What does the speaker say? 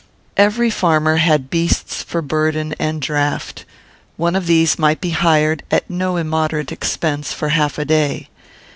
Every farmer had beasts for burden and draught. One of these might be hired, at no immoderate expense, for half a day.